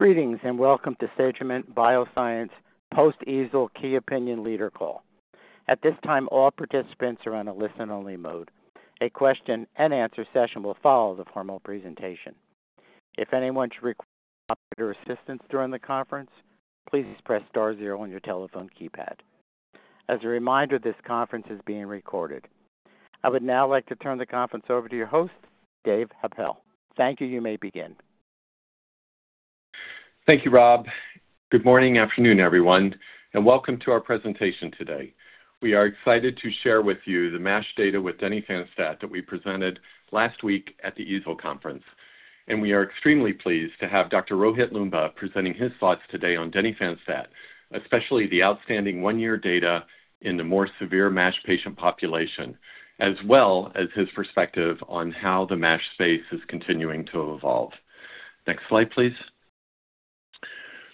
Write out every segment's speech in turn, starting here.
Greetings, and welcome to Sagimet Biosciences post-EASL key opinion leader call. At this time, all participants are on a listen-only mode. A question-and-answer session will follow the formal presentation. If anyone should require operator assistance during the conference, please press star zero on your telephone keypad. As a reminder, this conference is being recorded. I would now like to turn the conference over to your host, Dave Happel. Thank you. You may begin. Thank you, Rob. Good morning, afternoon, everyone, and welcome to our presentation today. We are excited to share with you the MASH data with denifanstat that we presented last week at the EASL conference. We are extremely pleased to have Dr. Rohit Loomba presenting his thoughts today on denifanstat, especially the outstanding one-year data in the more severe MASH patient population, as well as his perspective on how the MASH space is continuing to evolve. Next slide, please.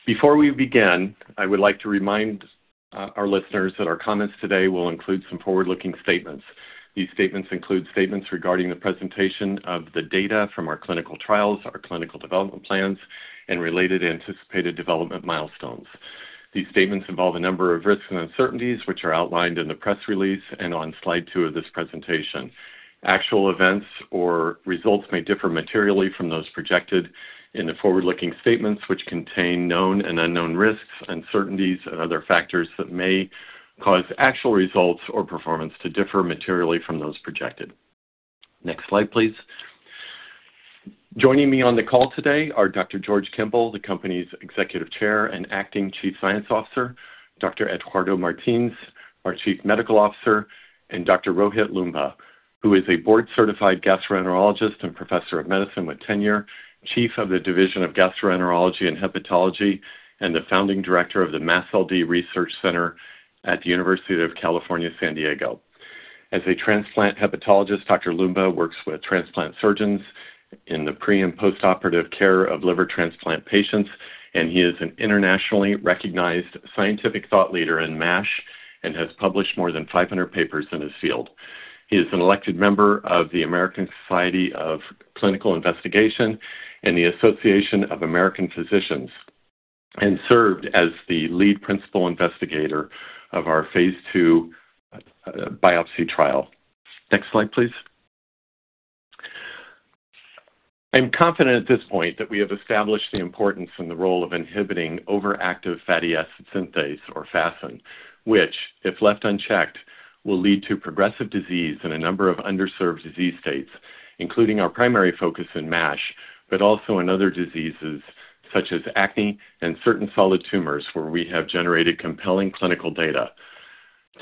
Before we begin, I would like to remind our listeners that our comments today will include some forward-looking statements. These statements include statements regarding the presentation of the data from our clinical trials, our clinical development plans, and related anticipated development milestones. These statements involve a number of risks and uncertainties, which are outlined in the press release and on slide two of this presentation. Actual events or results may differ materially from those projected in the forward-looking statements, which contain known and unknown risks, uncertainties, and other factors that may cause actual results or performance to differ materially from those projected. Next slide, please. Joining me on the call today are Dr. George Kemble, the company's Executive Chair and Acting Chief Science Officer, Dr. Eduardo Martins, our Chief Medical Officer, and Dr. Rohit Loomba, who is a board-certified gastroenterologist and professor of medicine with tenure, Chief of the Division of Gastroenterology and Hepatology, and the founding director of the MASLD Research Center at the University of California, San Diego. As a transplant hepatologist, Dr. Loomba works with transplant surgeons in the pre- and postoperative care of liver transplant patients, and he is an internationally recognized scientific thought leader in MASH and has published more than 500 papers in his field. He is an elected member of the American Society of Clinical Investigation and the Association of American Physicians and served as the lead principal investigator of our phase 2 biopsy trial. Next slide, please. I'm confident at this point that we have established the importance and the role of inhibiting overactive fatty acid synthase, or FASN, which, if left unchecked, will lead to progressive disease in a number of underserved disease states, including our primary focus in MASH, but also in other diseases such as acne and certain solid tumors, where we have generated compelling clinical data.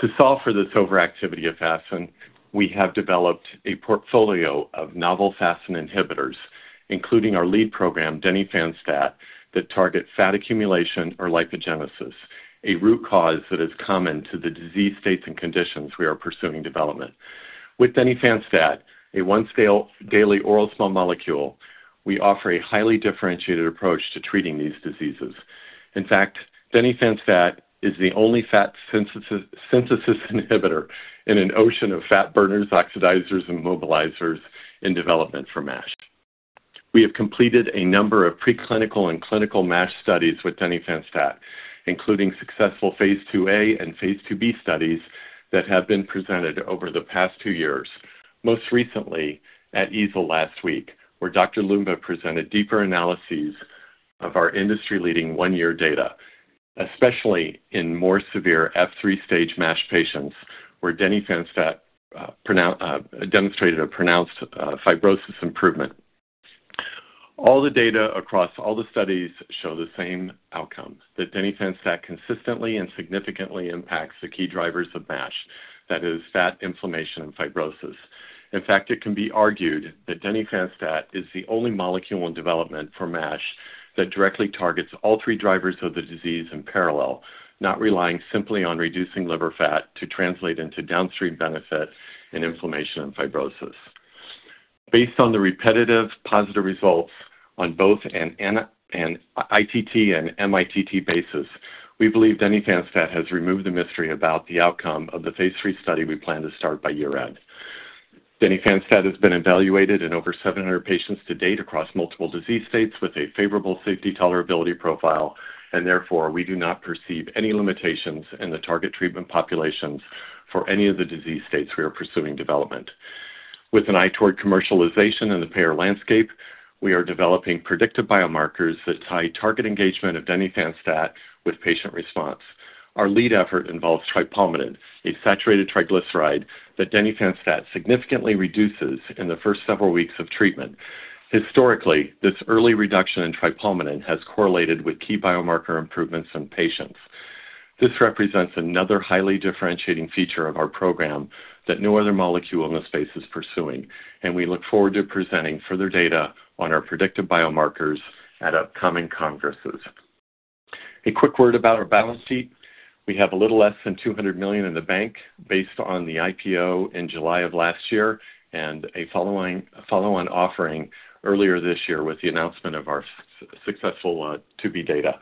To solve for this overactivity of FASN, we have developed a portfolio of novel FASN inhibitors, including our lead program, denifanstat, that target fat accumulation or lipogenesis, a root cause that is common to the disease states and conditions we are pursuing development. With denifanstat, a once-daily oral small molecule, we offer a highly differentiated approach to treating these diseases. In fact, denifanstat is the only fat synthesis, synthesis inhibitor in an ocean of fat burners, oxidizers, and mobilizers in development for MASH. We have completed a number of preclinical and clinical MASH studies with denifanstat, including successful Phase 2a and Phase 2b studies that have been presented over the past 2 years, most recently at EASL last week, where Dr. Loomba presented deeper analyses of our industry-leading 1-year data, especially in more severe F3 stage MASH patients, where denifanstat demonstrated a pronounced fibrosis improvement. All the data across all the studies show the same outcomes, that denifanstat consistently and significantly impacts the key drivers of MASH. That is, fat, inflammation, and fibrosis. In fact, it can be argued that denifanstat is the only molecule in development for MASH that directly targets all three drivers of the disease in parallel, not relying simply on reducing liver fat to translate into downstream benefit in inflammation and fibrosis. Based on the repetitive positive results on both an ITT and MITT basis, we believe denifanstat has removed the mystery about the outcome of the phase 3 study we plan to start by year-end. Denifanstat has been evaluated in over 700 patients to date across multiple disease states with a favorable safety tolerability profile, and therefore, we do not perceive any limitations in the target treatment populations for any of the disease states we are pursuing development. With an eye toward commercialization in the payer landscape, we are developing predictive biomarkers that tie target engagement of denifanstat with patient response. Our lead effort involves tripalmitin, a saturated triglyceride that denifanstat significantly reduces in the first several weeks of treatment. Historically, this early reduction in tripalmitin has correlated with key biomarker improvements in patients. This represents another highly differentiating feature of our program that no other molecule in the space is pursuing, and we look forward to presenting further data on our predictive biomarkers at upcoming congresses. A quick word about our balance sheet. We have a little less than $200 million in the bank based on the IPO in July of last year and a follow-on offering earlier this year with the announcement of our successful 2b data.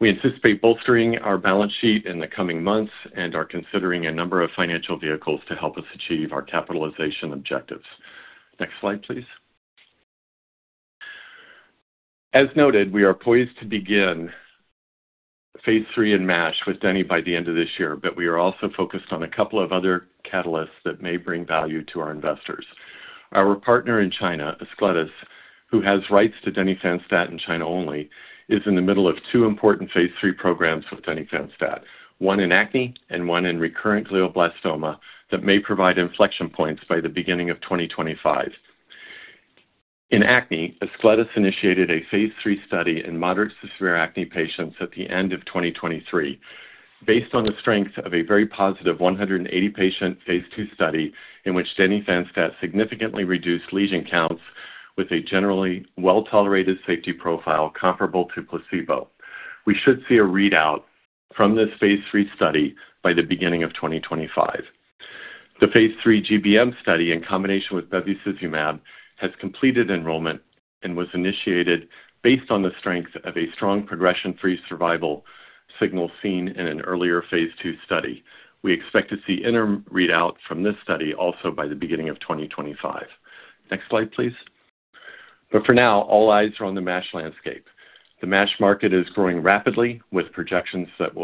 We anticipate bolstering our balance sheet in the coming months and are considering a number of financial vehicles to help us achieve our capitalization objectives… Next slide, please. As noted, we are poised to begin phase 3 in MASH with denifanstat by the end of this year, but we are also focused on a couple of other catalysts that may bring value to our investors. Our partner in China, Ascletis, who has rights to denifanstat in China only, is in the middle of two important phase 3 programs with denifanstat, one in acne and one in recurrent glioblastoma, that may provide inflection points by the beginning of 2025. In acne, Ascletis initiated a phase 3 study in moderate to severe acne patients at the end of 2023. Based on the strength of a very positive 180 patient phase 2 study, in which denifanstat significantly reduced lesion counts with a generally well-tolerated safety profile comparable to placebo. We should see a readout from this phase 3 study by the beginning of 2025. The phase 3 GBM study, in combination with bevacizumab, has completed enrollment and was initiated based on the strength of a strong progression-free survival signal seen in an earlier phase 2 study. We expect to see interim readout from this study also by the beginning of 2025. Next slide, please. But for now, all eyes are on the MASH landscape. The MASH market is growing rapidly, with projections that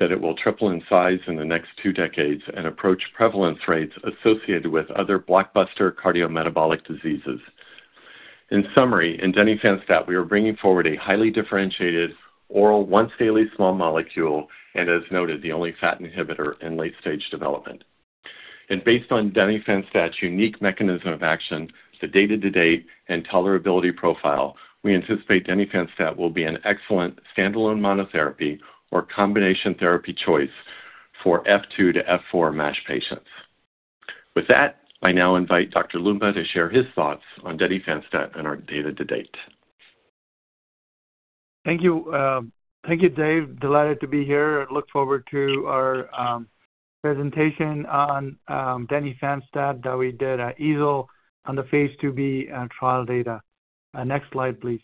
it will triple in size in the next two decades and approach prevalence rates associated with other blockbuster cardiometabolic diseases. In summary, in denifanstat, we are bringing forward a highly differentiated oral, once-daily small molecule, and as noted, the only FASN inhibitor in late-stage development. Based on denifanstat's unique mechanism of action, the data to date, and tolerability profile, we anticipate denifanstat will be an excellent standalone monotherapy or combination therapy choice for F2 to F4 MASH patients. With that, I now invite Dr. Loomba to share his thoughts on denifanstat and our data to date. Thank you, thank you, Dave. Delighted to be here. I look forward to our presentation on denifanstat that we did at EASL on the phase 2b trial data. Next slide, please.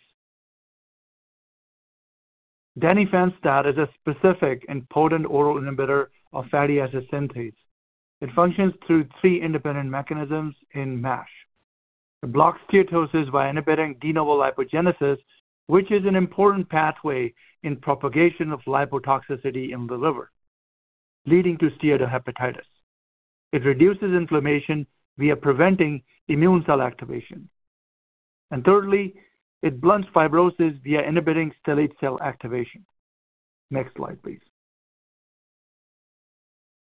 Denifanstat is a specific and potent oral inhibitor of fatty acid synthase. It functions through three independent mechanisms in MASH. It blocks steatosis via inhibiting de novo lipogenesis, which is an important pathway in propagation of lipotoxicity in the liver, leading to steatohepatitis. It reduces inflammation via preventing immune cell activation. And thirdly, it blunts fibrosis via inhibiting stellate cell activation. Next slide, please.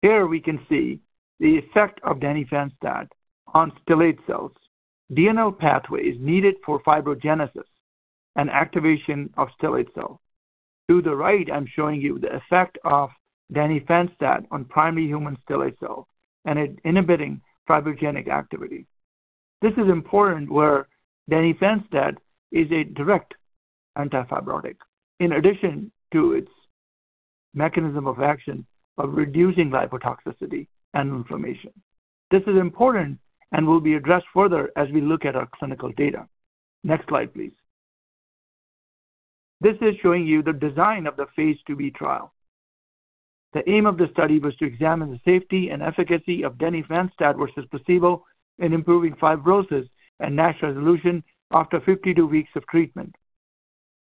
Here we can see the effect of denifanstat on stellate cells. DNL pathway is needed for fibrogenesis and activation of stellate cell. To the right, I'm showing you the effect of denifanstat on primary human stellate cell and it inhibiting fibrogenic activity. This is important where denifanstat is a direct antifibrotic, in addition to its mechanism of action of reducing lipotoxicity and inflammation. This is important and will be addressed further as we look at our clinical data. Next slide, please. This is showing you the design of the phase 2b trial. The aim of the study was to examine the safety and efficacy of denifanstat versus placebo in improving fibrosis and NASH resolution after 52 weeks of treatment.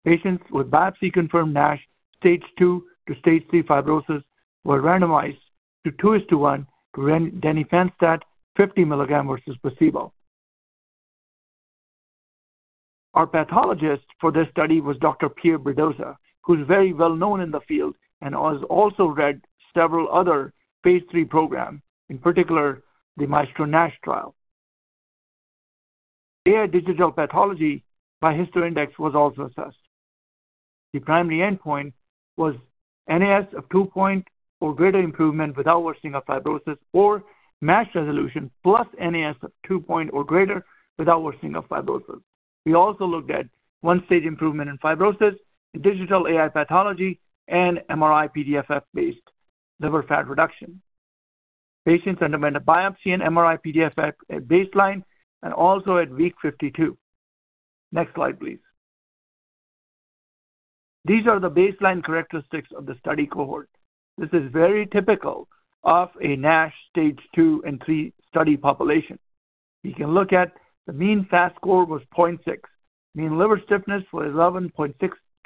Patients with biopsy-confirmed NASH stage 2 to stage 3 fibrosis were randomized 2:1 to denifanstat 50 milligrams versus placebo. Our pathologist for this study was Dr. Pierre Bedossa, who's very well known in the field and has also read several other phase 3 programs, in particular, the MAESTRO-NASH trial. Via digital pathology, HistoIndex was also assessed. The primary endpoint was NAS of 2-point or greater improvement without worsening of fibrosis or MASH resolution, plus NAS of 2-point or greater without worsening of fibrosis. We also looked at 1-stage improvement in fibrosis, digital AI pathology, and MRI-PDFF-based liver fat reduction. Patients underwent a biopsy and MRI-PDFF at baseline and also at week 52. Next slide, please. These are the baseline characteristics of the study cohort. This is very typical of a NASH stage 2 and 3 study population. You can look at the mean FAST score was 0.6. Mean liver stiffness was 11.6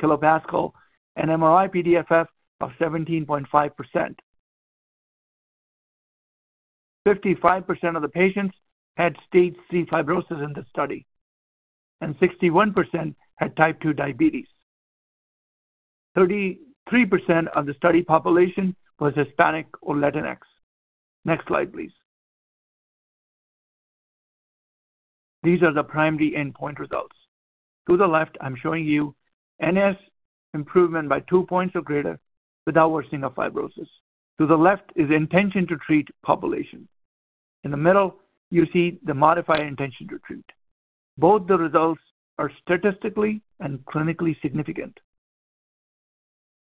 kPa and MRI-PDFF of 17.5%. 55% of the patients had stage C fibrosis in this study, and 61% had type 2 diabetes. 33% of the study population was Hispanic or Latinx. Next slide, please. These are the primary endpoint results. To the left, I'm showing you NAS improvement by two points or greater without worsening of fibrosis. To the left is intention to treat population. In the middle, you see the modified intention to treat. Both the results are statistically and clinically significant.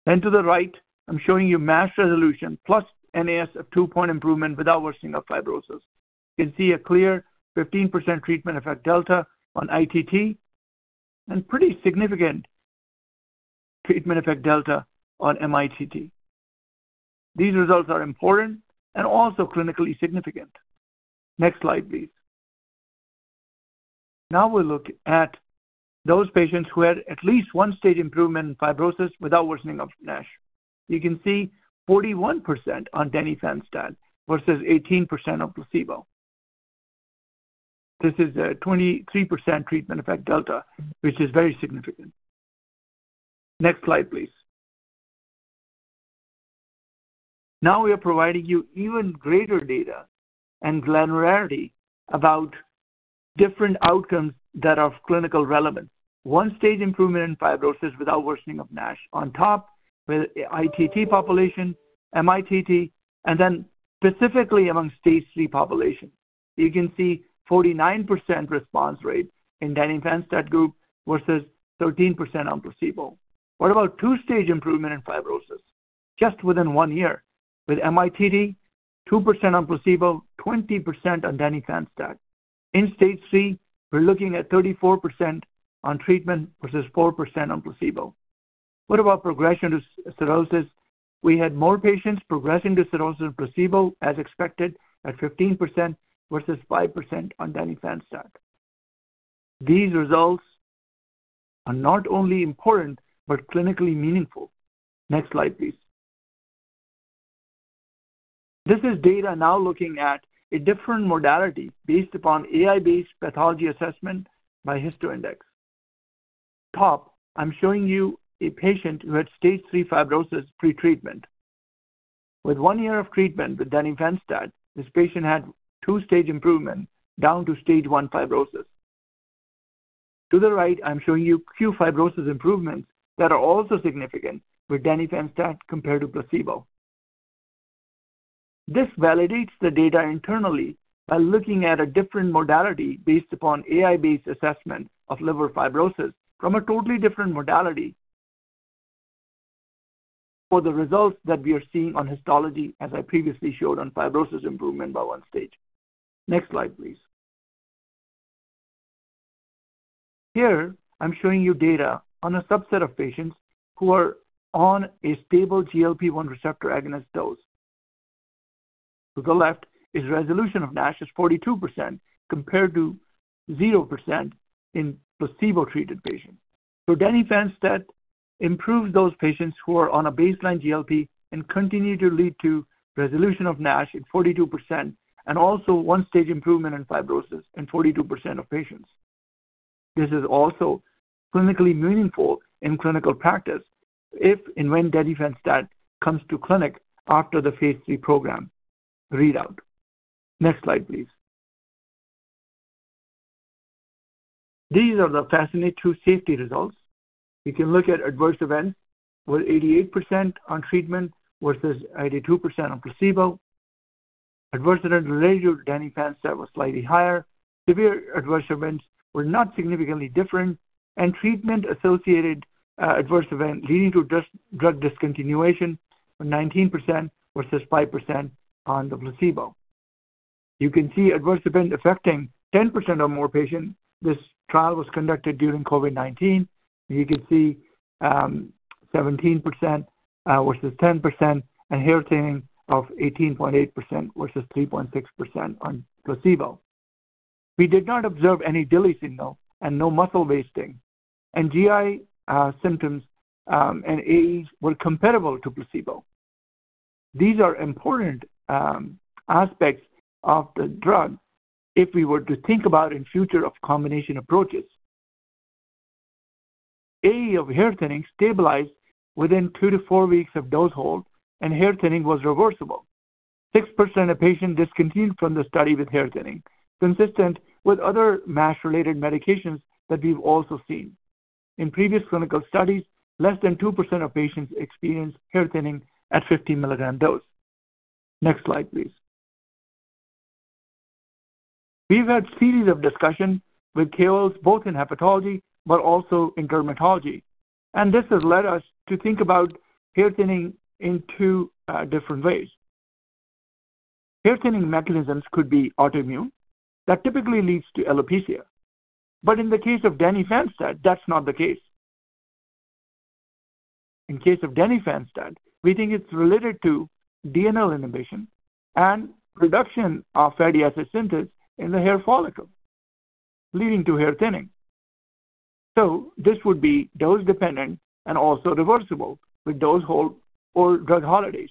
Then to the right, I'm showing you MASH resolution plus NAS of two-point improvement without worsening of fibrosis. You can see a clear 15% treatment effect delta on ITT and pretty significant treatment effect delta on MITT. These results are important and also clinically significant. Next slide, please. Now we look at those patients who had at least one-stage improvement in fibrosis without worsening of NASH. You can see 41% on denifanstat versus 18% on placebo. This is a 23% treatment effect delta, which is very significant. Next slide, please. Now we are providing you even greater data and granularity about different outcomes that are of clinical relevance. One-stage improvement in fibrosis without worsening of NASH on top with ITT population, MITT, and then specifically among Stage three population. You can see 49% response rate in denifanstat group versus 13% on placebo. What about two-stage improvement in fibrosis just within one year? With MITT, 2% on placebo, 20% on denifanstat. In F3, we're looking at 34% on treatment versus 4% on placebo. What about progression to cirrhosis? We had more patients progressing to cirrhosis on placebo, as expected, at 15% versus 5% on denifanstat. These results are not only important, but clinically meaningful. Next slide, please. This is data now looking at a different modality based upon AI-based pathology assessment by HistoIndex. Now, I'm showing you a patient who had stage 3 fibrosis pre-treatment. With 1 year of treatment with denifanstat, this patient had 2-stage improvement, down to stage 1 fibrosis. To the right, I'm showing you qFibrosis improvements that are also significant with denifanstat compared to placebo. This validates the data internally by looking at a different modality based upon AI-based assessment of liver fibrosis from a totally different modality for the results that we are seeing on histology, as I previously showed on fibrosis improvement by 1 stage. Next slide, please. Here, I'm showing you data on a subset of patients who are on a stable GLP-1 receptor agonist dose. To the left is resolution of NASH: 42% compared to 0% in placebo-treated patients. So denifanstat improves those patients who are on a baseline GLP and continue to lead to resolution of NASH in 42%, and also one-stage improvement in fibrosis in 42% of patients. This is also clinically meaningful in clinical practice if and when denifanstat comes to clinic after the phase 3 program readout. Next slide, please. These are the FASCINATE-2 safety results. You can look at adverse events, with 88% on treatment versus 82% on placebo. Adverse event related to denifanstat was slightly higher. Severe adverse events were not significantly different, and treatment-associated adverse event leading to just drug discontinuation, 19% versus 5% on the placebo. You can see adverse event affecting 10% or more patients. This trial was conducted during COVID-19. You can see 17% versus 10%, and hair thinning of 18.8% versus 3.6% on placebo. We did not observe any DILI signal and no muscle wasting, and GI symptoms and AEs were comparable to placebo. These are important aspects of the drug if we were to think about in future of combination approaches. AE of hair thinning stabilized within two to four weeks of dose hold, and hair thinning was reversible. 6% of patients discontinued from the study with hair thinning, consistent with other MASH-related medications that we've also seen. In previous clinical studies, less than 2% of patients experienced hair thinning at 50 milligram dose. Next slide, please. We've had series of discussions with KOLs, both in hepatology but also in dermatology, and this has led us to think about hair thinning in two different ways. Hair thinning mechanisms could be autoimmune. That typically leads to alopecia, but in the case of denifanstat, that's not the case. In case of denifanstat, we think it's related to DNL inhibition and reduction of fatty acid synthesis in the hair follicle, leading to hair thinning. So this would be dose-dependent and also reversible with dose hold or drug holidays.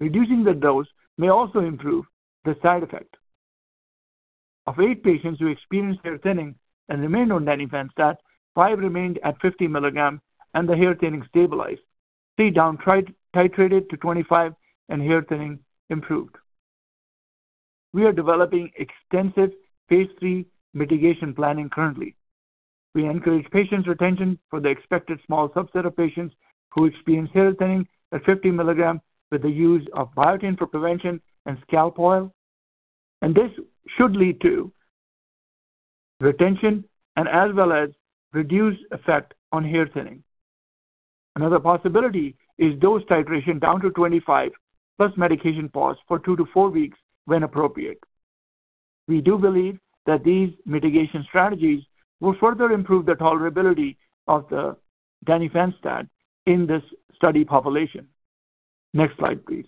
Reducing the dose may also improve the side effect. Of 8 patients who experienced hair thinning and remained on denifanstat, 5 remained at 50 milligrams, and the hair thinning stabilized. 3 down-titrated to 25, and hair thinning improved. We are developing extensive phase 3 mitigation planning currently. We encourage patients' retention for the expected small subset of patients who experience hair thinning at 50 milligrams with the use of biotin for prevention and scalp oil. And this should lead to retention and as well as reduced effect on hair thinning. Another possibility is dose titration down to 25, plus medication pause for 2 to 4 weeks when appropriate.... We do believe that these mitigation strategies will further improve the tolerability of the denifanstat in this study population. Next slide, please.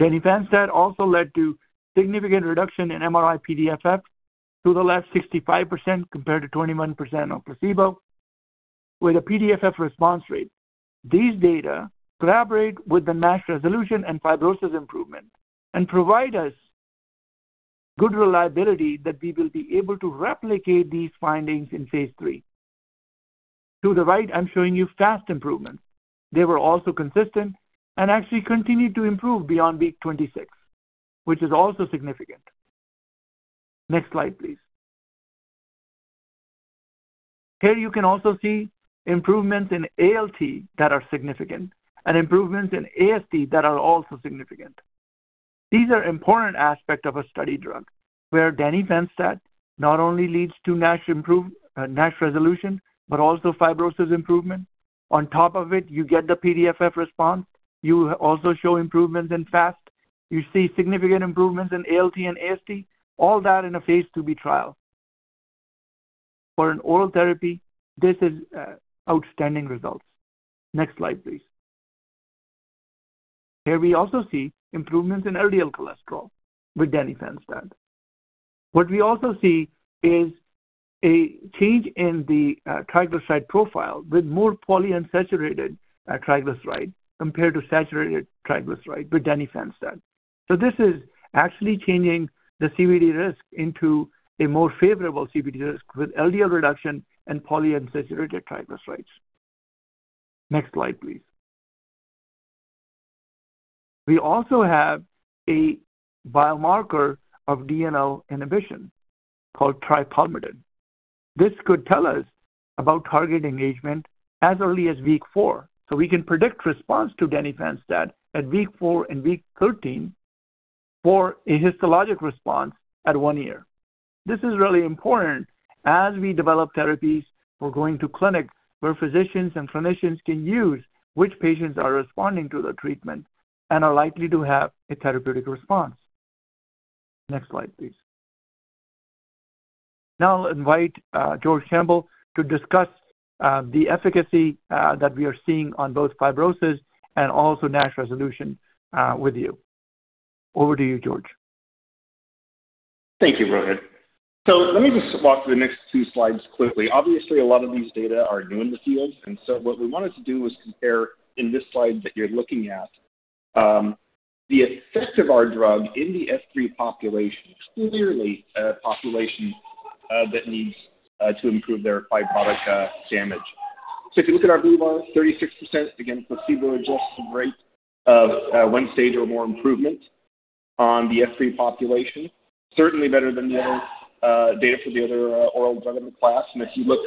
Denifanstat also led to significant reduction in MRI-PDFF to the left 65% compared to 21% on placebo, with a PDFF response rate. These data corroborate with the NASH resolution and fibrosis improvement and provide us good reliability that we will be able to replicate these findings in phase 3. To the right, I'm showing you FASN improvements. They were also consistent and actually continued to improve beyond week 26, which is also significant. Next slide, please. Here you can also see improvements in ALT that are significant and improvements in AST that are also significant. These are important aspect of a study drug, where denifanstat not only leads to NASH improve, NASH resolution, but also fibrosis improvement. On top of it, you get the PDFF response. You also show improvements in FAST. You see significant improvements in ALT and AST, all that in a phase 2b trial. For an oral therapy, this is, outstanding results. Next slide, please. Here we also see improvements in LDL cholesterol with denifanstat. What we also see is a change in the, triglyceride profile with more polyunsaturated triglyceride compared to saturated triglyceride with denifanstat. So this is actually changing the CVD risk into a more favorable CVD risk with LDL reduction and polyunsaturated triglycerides. Next slide, please. We also have a biomarker of DNL inhibition called tripalmitin. This could tell us about target engagement as early as week 4. So we can predict response to denifanstat at week 4 and week 13 for a histologic response at 1 year. This is really important as we develop therapies for going to clinics where physicians and clinicians can use which patients are responding to the treatment and are likely to have a therapeutic response. Next slide, please. Now I'll invite George Kemble to discuss the efficacy that we are seeing on both fibrosis and also NASH resolution with you. Over to you, George. Thank you, Rohit. So let me just walk through the next two slides quickly. Obviously, a lot of these data are new in the field, and so what we wanted to do was compare in this slide that you're looking at, the effect of our drug in the F3 population, clearly a population that needs to improve their fibrotic damage. So if you look at our blue bar, 36% against placebo adjusted rate of one stage or more improvement on the F3 population, certainly better than the other data for the other oral drug in the class. If you look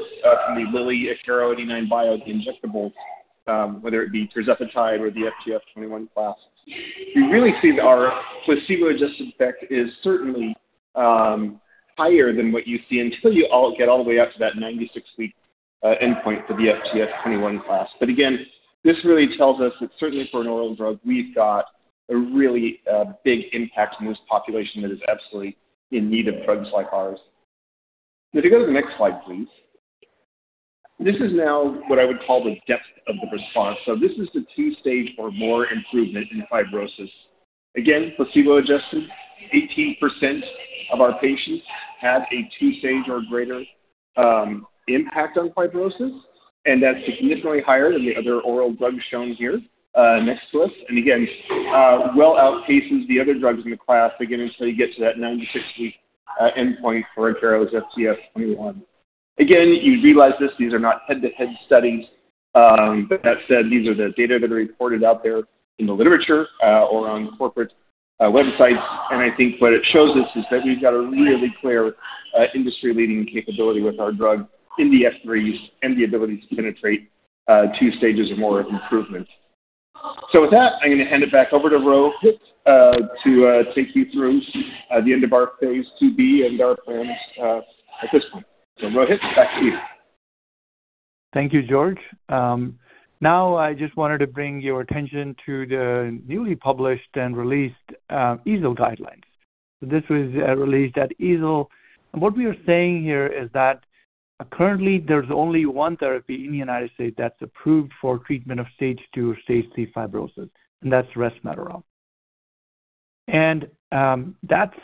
from the Lilly, Akero, 89bio, the injectable, whether it be tirzepatide or the FGF 21 class, you really see our placebo-adjusted effect is certainly higher than what you see until you all get all the way up to that 96-week endpoint for the FGF 21 class. But again, this really tells us that certainly for an oral drug, we've got a really big impact in this population that is absolutely in need of drugs like ours. So if you go to the next slide, please. This is now what I would call the depth of the response. So this is the 2-stage or more improvement in fibrosis. Again, placebo-adjusted, 18% of our patients have a 2-stage or greater impact on fibrosis, and that's significantly higher than the other oral drugs shown here next to us. Again, well outpaces the other drugs in the class, again, until you get to that 96-week endpoint for Akero's FGF21. Again, you realize this. These are not head-to-head studies. But that said, these are the data that are reported out there in the literature or on corporate websites. And I think what it shows us is that we've got a really clear industry-leading capability with our drug in the F3 stage and the ability to penetrate two stages or more of improvement. So with that, I'm going to hand it back over to Rohit to take you through the end of our phase 2b and our plans at this point. So Rohit, back to you. Thank you, George. Now I just wanted to bring your attention to the newly published and released EASL guidelines. This was released at EASL, and what we are saying here is that currently there's only one therapy in the United States that's approved for treatment of stage 2 or stage 3 fibrosis, and that's resmetirom. And that's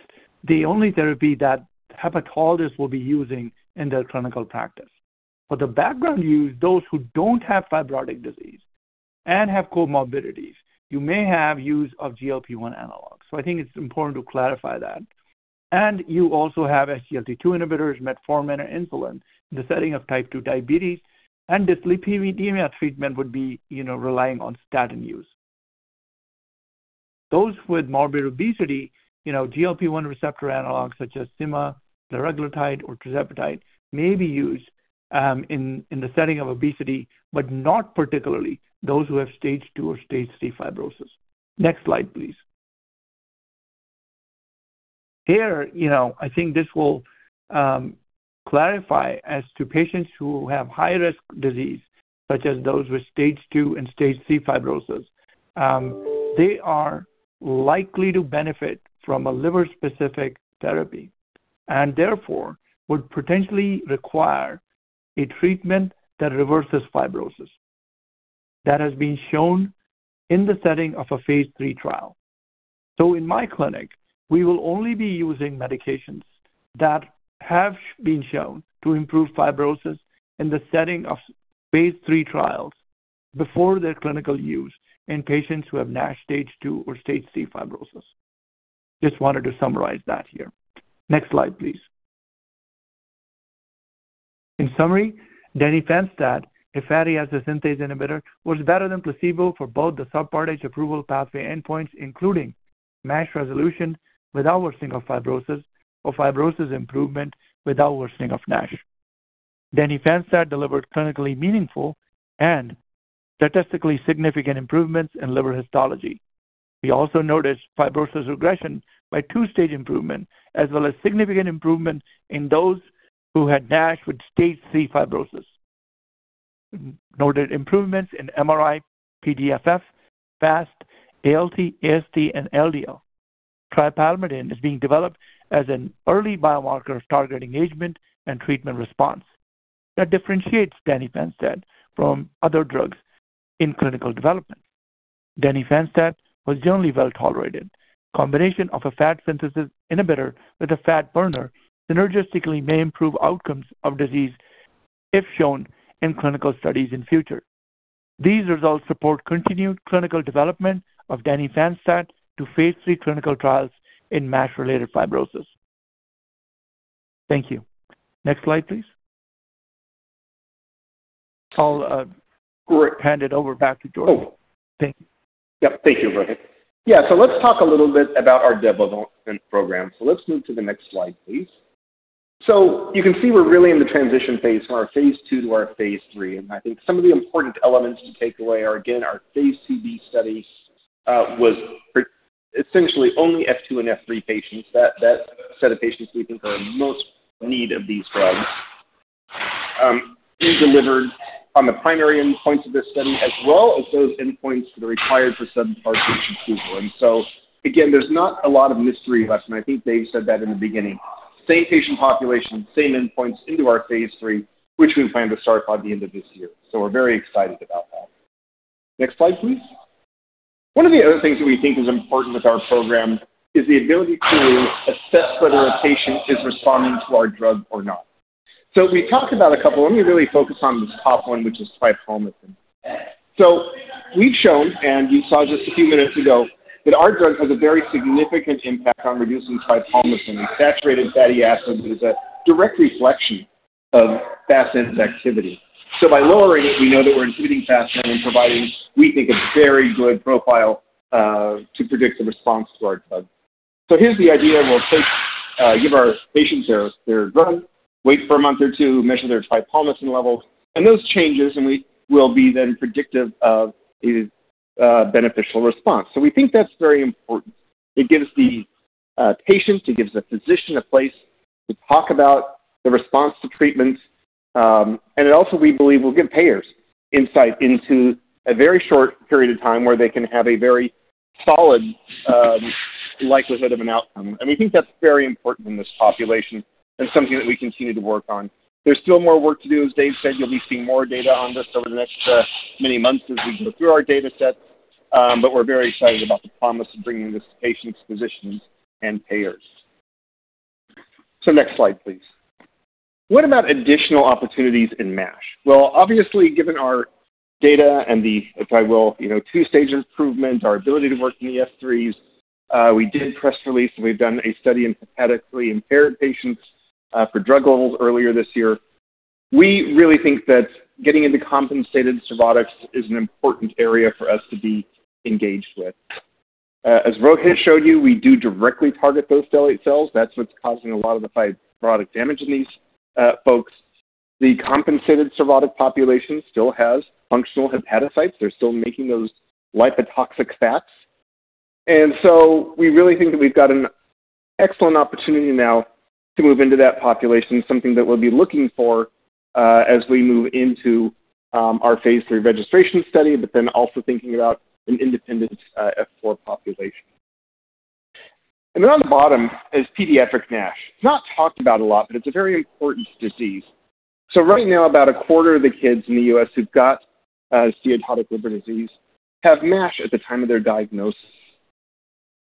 the only therapy that hepatologists will be using in their clinical practice. For the background use, those who don't have fibrotic disease and have comorbidities, you may have use of GLP-1 analog. So I think it's important to clarify that. And you also have SGLT2 inhibitors, metformin, or insulin in the setting of type 2 diabetes, and the dyslipidemia treatment would be, you know, relying on statin use. Those with morbid obesity, you know, GLP-1 receptor analogs such as semaglutide, tirzepatide, or tirzepatide, may be used in the setting of obesity, but not particularly those who have stage 2 or stage 3 fibrosis. Next slide, please. Here, you know, I think this will clarify as to patients who have high-risk disease, such as those with stage 2 and stage 3 fibrosis, they are likely to benefit from a liver-specific therapy and therefore would potentially require a treatment that reverses fibrosis. That has been shown in the setting of a phase 3 trial. So in my clinic, we will only be using medications that have been shown to improve fibrosis in the setting of phase 3 trials before their clinical use in patients who have NASH stage 2 or stage 3 fibrosis. Just wanted to summarize that here. Next slide, please. In summary, denifanstat, a fatty acid synthase inhibitor, was better than placebo for both the Subpart H approval pathway endpoints, including MASH resolution with worsening of fibrosis or fibrosis improvement with worsening of NASH. Denifanstat delivered clinically meaningful and statistically significant improvements in liver histology. We also noticed fibrosis regression by two-stage improvement, as well as significant improvement in those who had NASH with stage three fibrosis. Noted improvements in MRI, PDFF, FAST, ALT, AST, and LDL. Tripalmitin is being developed as an early biomarker of target engagement and treatment response. That differentiates denifanstat from other drugs in clinical development. Denifanstat was generally well tolerated. Combination of a fat synthesis inhibitor with a fat burner synergistically may improve outcomes of disease if shown in clinical studies in future. These results support continued clinical development of denifanstat to phase three clinical trials in MASH-related fibrosis. Thank you. Next slide, please. I'll hand it over back to George. Oh. Thank you. Yep. Thank you, Rohit. Yeah, so let's talk a little bit about our development program. So let's move to the next slide, please. So you can see we're really in the transition phase from our phase 2 to our phase 3, and I think some of the important elements to take away are, again, our phase 2b study was essentially only F2 and F3 patients. That set of patients we think are in most need of these drugs, we delivered on the primary endpoints of this study, as well as those endpoints that are required for subpart H approval. And so again, there's not a lot of mystery left, and I think Dave said that in the beginning. Same patient population, same endpoints into our phase 3, which we plan to start by the end of this year. So we're very excited about that. Next slide, please. One of the other things that we think is important with our program is the ability to assess whether a patient is responding to our drug or not. So we talked about a couple. Let me really focus on this top one, which is tripalmitin. So we've shown, and you saw just a few minutes ago, that our drug has a very significant impact on reducing tripalmitin and saturated fatty acids is a direct reflection of FASN's activity. So by lowering it, we know that we're inhibiting FASN and providing, we think, a very good profile to predict the response to our drug. So here's the idea. We'll take, give our patients their, their drug, wait for a month or two, measure their tripalmitin levels, and those changes, and we will be then predictive of a beneficial response. So we think that's very important. It gives the patient, it gives the physician a place to talk about the response to treatment, and it also, we believe, will give payers insight into a very short period of time where they can have a very solid likelihood of an outcome. And we think that's very important in this population and something that we continue to work on. There's still more work to do. As Dave said, you'll be seeing more data on this over the next many months as we go through our data set, but we're very excited about the promise of bringing this to patients, physicians, and payers. Next slide, please. What about additional opportunities in MASH? Well, obviously, given our data and the, if I will, you know, two-stage improvements, our ability to work in the F3s, we did a press release, and we've done a study in hepatically impaired patients, for drug levels earlier this year. We really think that getting into compensated cirrhotics is an important area for us to be engaged with. As Rohit showed you, we do directly target those stellate cells. That's what's causing a lot of the fibrotic damage in these folks. The compensated cirrhotic population still has functional hepatocytes. They're still making those lipotoxic fats. And so we really think that we've got an excellent opportunity now to move into that population, something that we'll be looking for, as we move into our phase 3 registration study, but then also thinking about an independent F4 population. And then on the bottom is pediatric NASH. Not talked about a lot, but it's a very important disease. So right now, about a quarter of the kids in the U.S. who've got steatotic liver disease have MASH at the time of their diagnosis.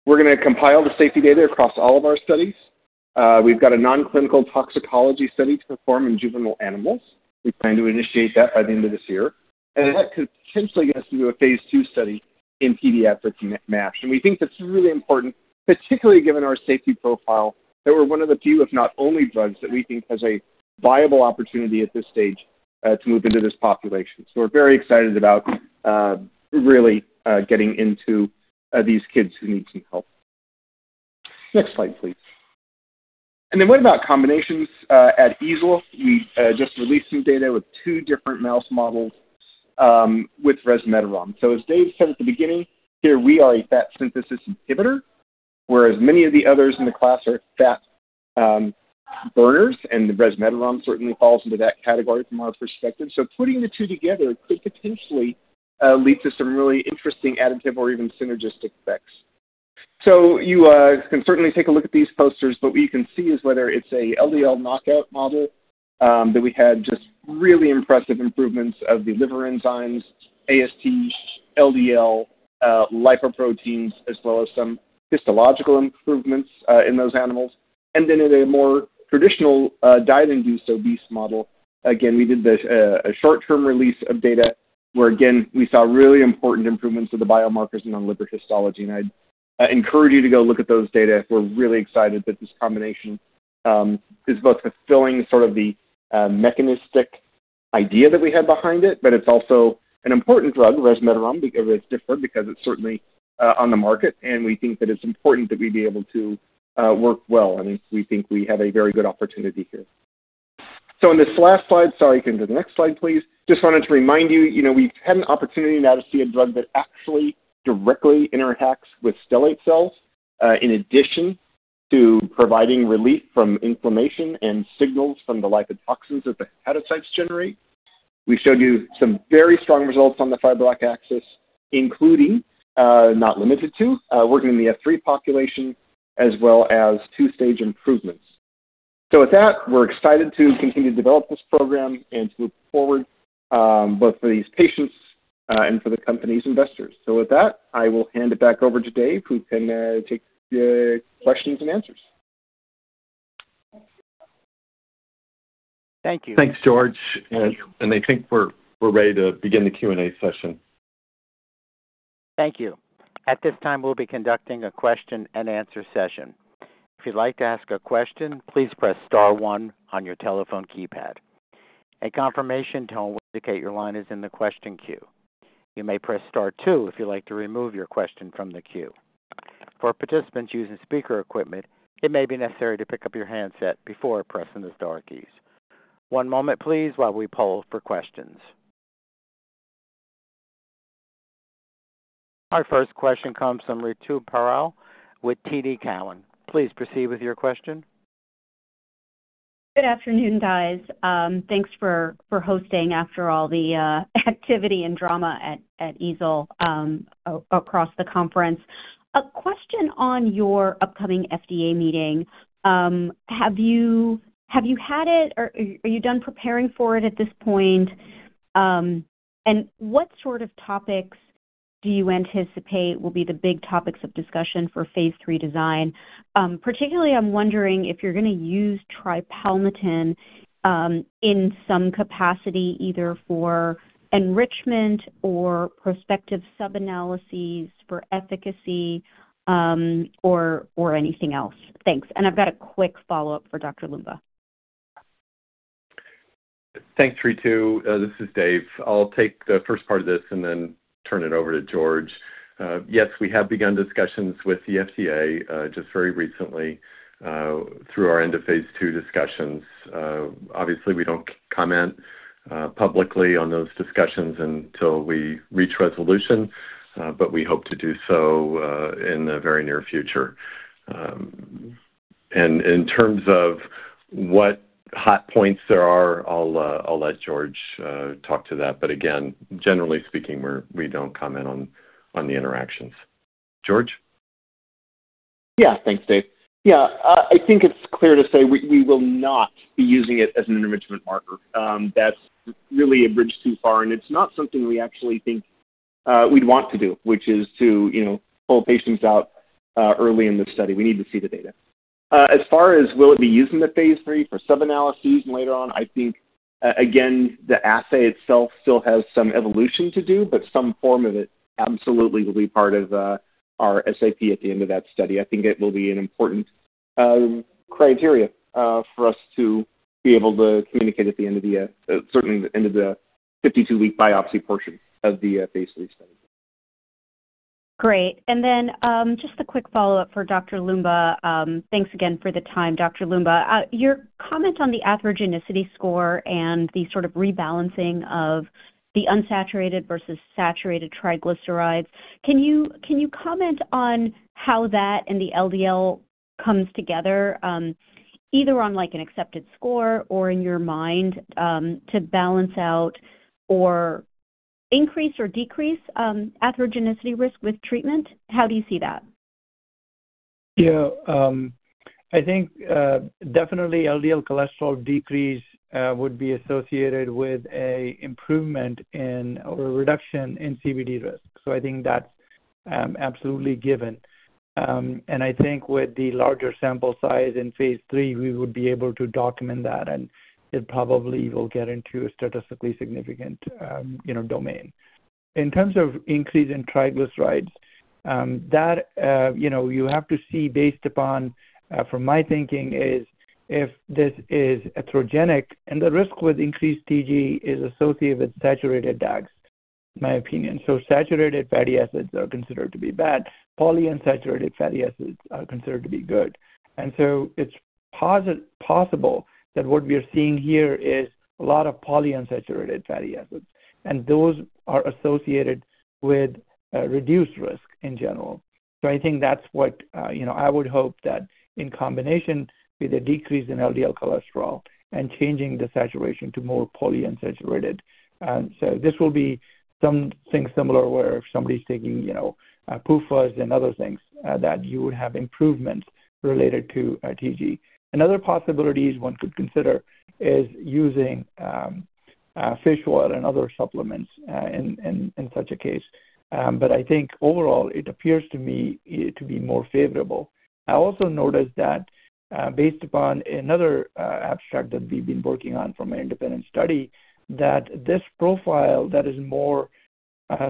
We're going to compile the safety data across all of our studies. We've got a non-clinical toxicology study to perform in juvenile animals. We plan to initiate that by the end of this year, and that potentially gets us to a phase two study in pediatric MASH. And we think that's really important, particularly given our safety profile, that we're one of the few, if not only, drugs that we think has a viable opportunity at this stage, to move into this population. So we're very excited about really getting into these kids who need some help. Next slide, please. And then what about combinations? At EASL, we just released some data with two different mouse models with resmetirom. So as Dave said at the beginning, here we are a fat synthesis inhibitor, whereas many of the others in the class are fat burners, and the resmetirom certainly falls into that category from our perspective. So putting the two together could potentially lead to some really interesting additive or even synergistic effects. So you can certainly take a look at these posters, but what you can see is whether it's a LDL knockout model that we had just really impressive improvements of the liver enzymes, AST, LDL lipoproteins, as well as some histological improvements in those animals. Then in a more traditional diet-induced obese model, again, we did this a short-term release of data, where again, we saw really important improvements of the biomarkers and on liver histology. And I'd encourage you to go look at those data. We're really excited that this combination is both fulfilling sort of the mechanistic idea that we had behind it, but it's also an important drug, resmetirom. It's different because it's certainly on the market, and we think that it's important that we be able to work well, and we think we have a very good opportunity here. So in this last slide, sorry, you can go to the next slide, please. Just wanted to remind you, you know, we've had an opportunity now to see a drug that actually directly interacts with stellate cells, in addition to providing relief from inflammation and signals from the lipotoxins that the hepatocytes generate. We showed you some very strong results on the fibrosis axis, including, not limited to, working in the F3 population as well as two-stage improvements. So with that, we're excited to continue to develop this program and to look forward, both for these patients, and for the company's investors. So with that, I will hand it back over to Dave, who can take the questions and answers. Thank you. Thanks, George. I think we're ready to begin the Q&A session. Thank you. At this time, we'll be conducting a question-and-answer session. If you'd like to ask a question, please press star one on your telephone keypad. A confirmation tone will indicate your line is in the question queue. You may press star two if you'd like to remove your question from the queue. For participants using speaker equipment, it may be necessary to pick up your handset before pressing the star keys. One moment please, while we poll for questions. Our first question comes from Ritu Baral with TD Cowen. Please proceed with your question. Good afternoon, guys. Thanks for hosting after all the activity and drama at EASL across the conference. A question on your upcoming FDA meeting. Have you had it, or are you done preparing for it at this point? And what sort of topics do you anticipate will be the big topics of discussion for phase three design? Particularly, I'm wondering if you're going to use tripalmitin in some capacity, either for enrichment or prospective sub-analysis, for efficacy, or anything else. Thanks. And I've got a quick follow-up for Dr. Loomba. Thanks, Ritu. This is Dave. I'll take the first part of this and then turn it over to George. Yes, we have begun discussions with the FDA, just very recently, through our end-of-Phase 2 discussions. Obviously, we don't comment publicly on those discussions until we reach resolution, but we hope to do so, in the very near future. And in terms of what hot points there are, I'll let George talk to that. But again, generally speaking, we don't comment on the interactions. George? Yeah. Thanks, Dave. Yeah, I think it's clear to say we will not be using it as an intervention marker. That's really a bridge too far, and it's not something we actually think we'd want to do, which is to, you know, pull patients out early in the study. We need to see the data. As far as will it be used in the phase 3 for sub-analysis later on, I think, again, the assay itself still has some evolution to do, but some form of it absolutely will be part of our SAP at the end of that study. I think it will be an important criteria for us to be able to communicate at the end of the certainly the end of the 52-week biopsy portion of the phase 3 study. Great. And then, just a quick follow-up for Dr. Loomba. Thanks again for the time, Dr. Loomba. Your comment on the atherogenicity score and the sort of rebalancing of the unsaturated versus saturated triglycerides, can you, can you comment on how that and the LDL comes together, either on, like, an accepted score or in your mind, to balance out or increase or decrease, atherogenicity risk with treatment? How do you see that? Yeah, I think, definitely LDL cholesterol decrease would be associated with a improvement in or reduction in CVD risk. So I think that's absolutely given. And I think with the larger sample size in phase three, we would be able to document that, and it probably will get into a statistically significant, you know, domain. In terms of increase in triglycerides, that, you know, you have to see based upon, from my thinking is, if this is atherogenic and the risk with increased TG is associated with saturated fats, in my opinion. So saturated fatty acids are considered to be bad. Polyunsaturated fatty acids are considered to be good. And so it's possible that what we are seeing here is a lot of polyunsaturated fatty acids, and those are associated with reduced risk in general. So I think that's what, you know, I would hope that in combination with a decrease in LDL cholesterol and changing the saturation to more polyunsaturated. So this will be something similar, where if somebody's taking, you know, PUFAs and other things, that you would have improvements related to TG. Another possibility one could consider is using fish oil and other supplements in such a case. But I think overall, it appears to me to be more favorable. I also noticed that, based upon another abstract that we've been working on from an independent study, that this profile that is more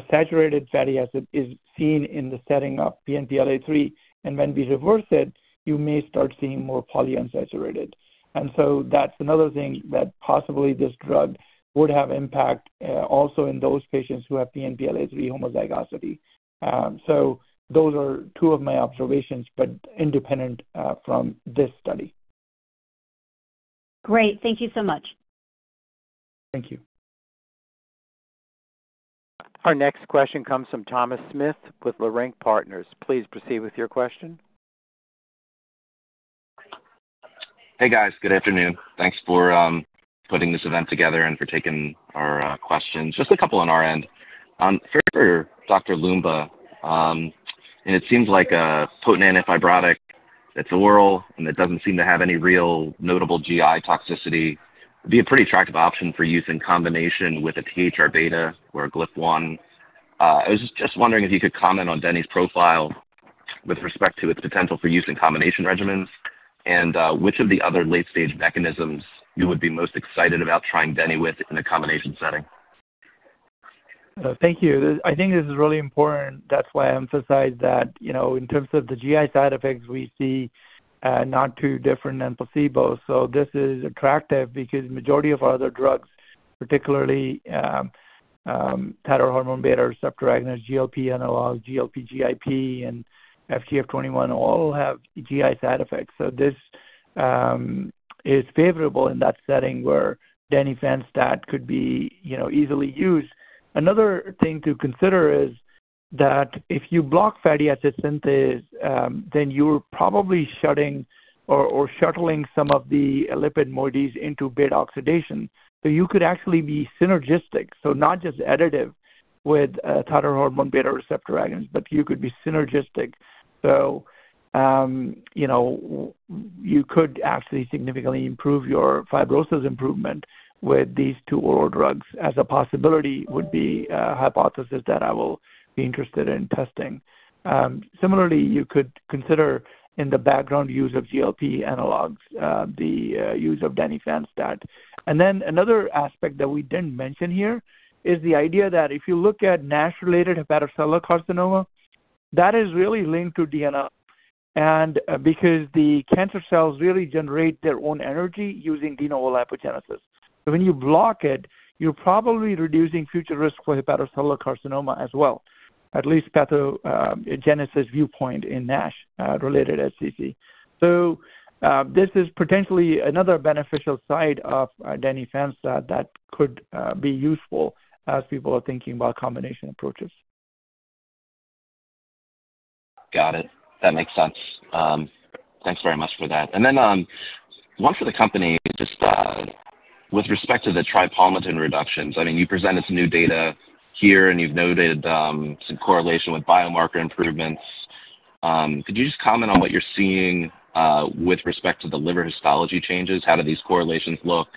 saturated fatty acid is seen in the setting of PNPLA3, and when we reverse it, you may start seeing more polyunsaturated. And so that's another thing that possibly this drug would have impact, also in those patients who have PNPLA3 homozygosity. So those are two of my observations, but independent, from this study. Great, thank you so much. Thank you. Our next question comes from Thomas Smith with Leerink Partners. Please proceed with your question. Hey, guys. Good afternoon. Thanks for putting this event together and for taking our questions. Just a couple on our end. For Dr. Loomba, and it seems like a potent antifibrotic that's oral, and it doesn't seem to have any real notable GI toxicity. It'd be a pretty attractive option for use in combination with a THR-β or a GLP-1. I was just wondering if you could comment on denifanstat's profile with respect to its potential for use in combination regimens and, which of the other late-stage mechanisms you would be most excited about trying denifanstat with in a combination setting? Thank you. I think this is really important. That's why I emphasize that, you know, in terms of the GI side effects, we see not too different than placebo. So this is attractive because majority of our other drugs, particularly, thyroid hormone beta receptor agonist, GLP analogs, GLP/GIP, and FGF21, all have GI side effects. So this is favorable in that setting where denifanstat could be, you know, easily used. Another thing to consider is that if you block fatty acid synthase, then you're probably shutting or shuttling some of the lipid moieties into beta oxidation. So you could actually be synergistic. So not just additive with thyroid hormone beta receptor agonists, but you could be synergistic. So, you know, you could actually significantly improve your fibrosis improvement with these two oral drugs, as a possibility would be a hypothesis that I will be interested in testing. Similarly, you could consider in the background use of GLP analogs, the use of denifanstat. And then another aspect that we didn't mention here is the idea that if you look at NASH-related hepatocellular carcinoma, that is really linked to de novo. And because the cancer cells really generate their own energy using de novo lipogenesis. So when you block it, you're probably reducing future risk for hepatocellular carcinoma as well, at least pathogenesis viewpoint in NASH related HCC. So, this is potentially another beneficial side of denifanstat that could be useful as people are thinking about combination approaches. Got it. That makes sense. Thanks very much for that. And then, one for the company, just, with respect to the tripalmitin reductions, I mean, you presented some new data here, and you've noted, some correlation with biomarker improvements. Could you just comment on what you're seeing, with respect to the liver histology changes? How do these correlations look?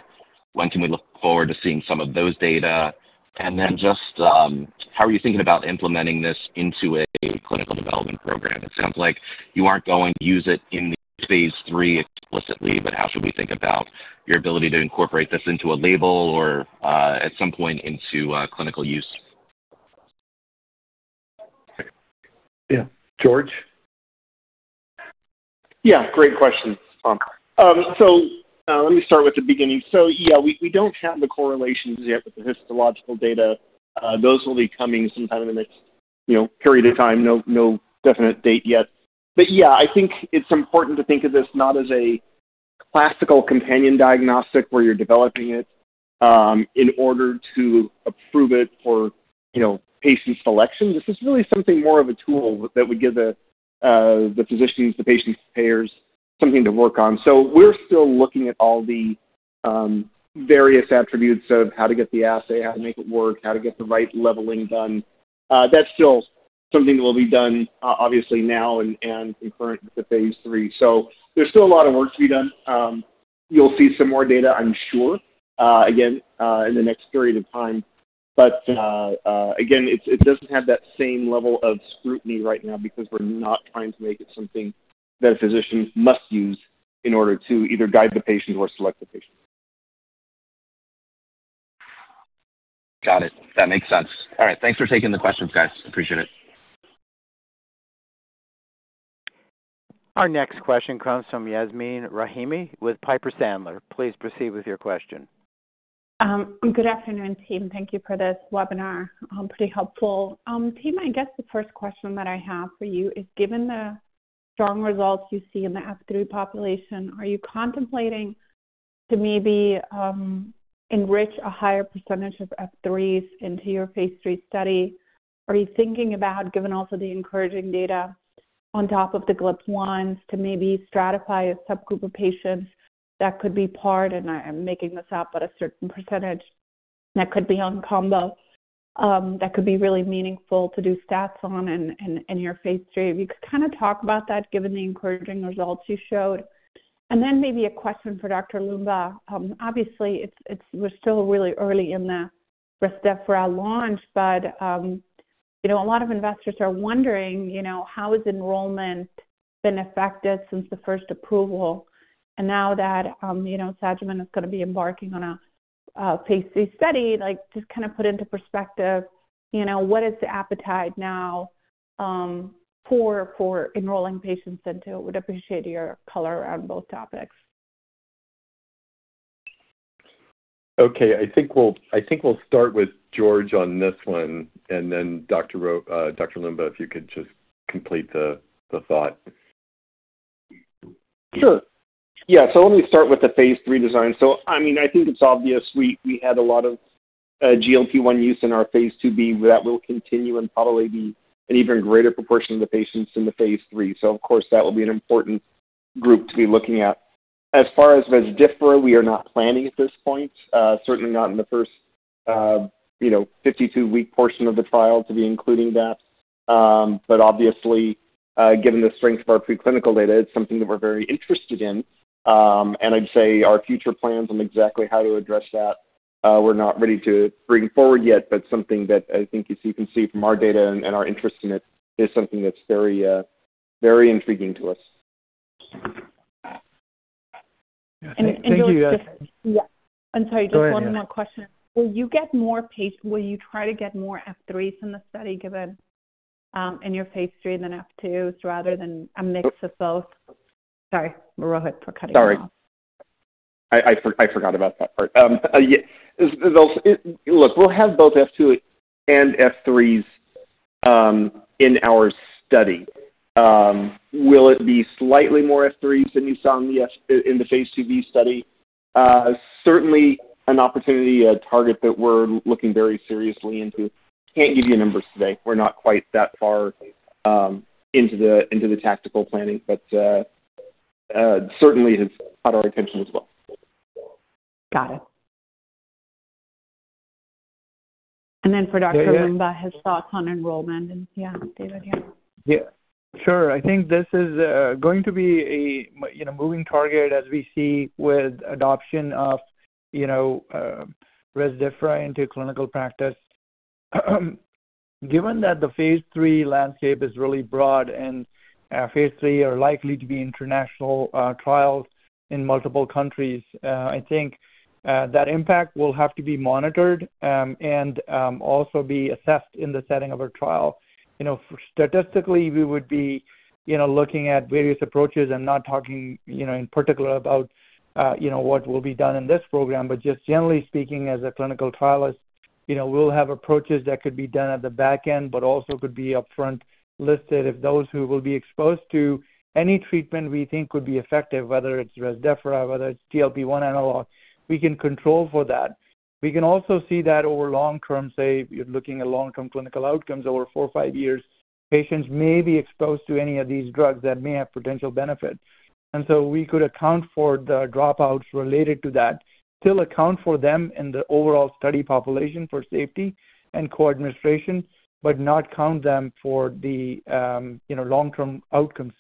When can we look forward to seeing some of those data? And then just, how are you thinking about implementing this into a clinical development program? It sounds like you aren't going to use it in the phase 3 explicitly, but how should we think about your ability to incorporate this into a label or, at some point into, clinical use? Yeah. George? Yeah, great question, Tom. So, let me start with the beginning. So yeah, we don't have the correlations yet with the histological data. Those will be coming sometime in the next, you know, period of time. No definite date yet. But yeah, I think it's important to think of this not as a classical companion diagnostic, where you're developing it in order to approve it for, you know, patient selection. This is really something more of a tool that would give the physicians, the patients, payers something to work on. So we're still looking at all the various attributes of how to get the assay, how to make it work, how to get the right leveling done. That's still something that will be done, obviously now and concurrent with the phase 3. There's still a lot of work to be done. You'll see some more data, I'm sure, again, it doesn't have that same level of scrutiny right now because we're not trying to make it something that a physician must use in order to either guide the patient or select the patient. Got it. That makes sense. All right. Thanks for taking the questions, guys. Appreciate it. Our next question comes from Yasmin Rahimi with Piper Sandler. Please proceed with your question. Good afternoon, team. Thank you for this webinar. Pretty helpful. Team, I guess the first question that I have for you is, given the strong results you see in the F3 population, are you contemplating to maybe enrich a higher percentage of F3s into your phase 3 study? Are you thinking about, given also the encouraging data on top of the GLP-1, to maybe stratify a subgroup of patients that could be part, and I'm making this up, but a certain percentage that could be on combo, that could be really meaningful to do stats on in your phase 3? If you could kind of talk about that, given the encouraging results you showed. And then maybe a question for Dr. Loomba. Obviously, we're still really early in the first step for our launch, but you know, a lot of investors are wondering, you know, how has enrollment been affected since the first approval? And now that, you know, Sagimet is gonna be embarking on a phase 3 study, like, just kind of put into perspective, you know, what is the appetite now, for enrolling patients into it? Would appreciate your color on both topics. Okay. I think we'll start with George on this one, and then Dr. Loomba, if you could just complete the thought. Sure. Yeah, so let me start with the phase 3 design. I mean, I think it's obvious we had a lot of GLP-1 use in our phase 2b. That will continue and probably be an even greater proportion of the patients in the phase 3. Of course, that will be an important group to be looking at. As far as Rezdiffra, we are not planning at this point, certainly not in the first, you know, 52-week portion of the trial to be including that. But obviously, given the strength of our preclinical data, it's something that we're very interested in. And I'd say our future plans on exactly how to address that, we're not ready to bring forward yet, but something that I think as you can see from our data and, and our interest in it, is something that's very, very intriguing to us. And George, just- Thank you. Yeah. I'm sorry, just one more question. Go ahead. Will you get more F3s... Will you try to get more F3s in the study, given in your Phase 3 than F2s, rather than a mix of both? Sorry, Rohit, for cutting you off. Sorry. I forgot about that part. Yeah, look, we'll have both F2 and F3s in our study. Will it be slightly more F3s than you saw in the phase IIb study? Certainly an opportunity, a target that we're looking very seriously into. Can't give you numbers today. We're not quite that far into the tactical planning, but certainly has caught our attention as well. Got it. And then for Dr. Loomba, Go ahead. his thoughts on enrollment. And yeah, David, yeah. Yeah, sure. I think this is going to be a, you know, moving target as we see with adoption of, you know, Rezdiffra into clinical practice. Given that the Phase III landscape is really broad and Phase III are likely to be international trials in multiple countries, I think that impact will have to be monitored and also be assessed in the setting of a trial. You know, statistically, we would be, you know, looking at various approaches and not talking, you know, in particular about, you know, what will be done in this program. But just generally speaking, as a clinical trialist, you know, we'll have approaches that could be done at the back end, but also could be upfront, listed if those who will be exposed to any treatment we think could be effective, whether it's Rezdiffra, whether it's GLP-1 analog, we can control for that. We can also see that over long term, say, you're looking at long-term clinical outcomes over four or five years, patients may be exposed to any of these drugs that may have potential benefits. And so we could account for the dropouts related to that, still account for them in the overall study population for safety and co-administration, but not count them for the, you know, long-term outcomes.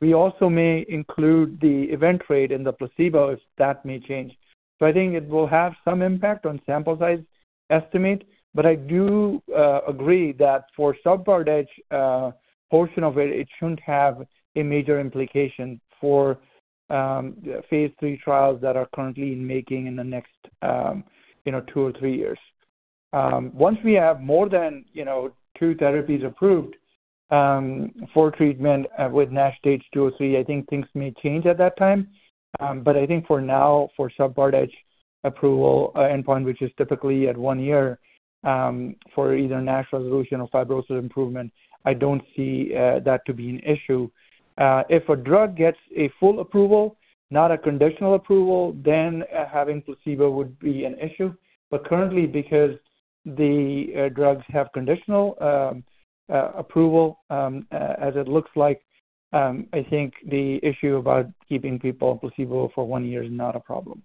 We also may include the event rate in the placebo, if that may change. So I think it will have some impact on sample size estimate, but I do agree that for subpart H portion of it, it shouldn't have a major implication for phase 3 trials that are currently in making in the next, you know, 2 or 3 years. Once we have more than, you know, 2 therapies approved for treatment with NASH stage 2 or 3, I think things may change at that time. But I think for now, for subpart H approval endpoint, which is typically at 1 year, for either NASH resolution or fibrosis improvement, I don't see that to be an issue. If a drug gets a full approval, not a conditional approval, then having placebo would be an issue. But currently, because the drugs have conditional approval, as it looks like, I think the issue about keeping people on placebo for one year is not a problem.